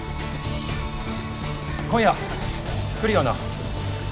今夜来るよな？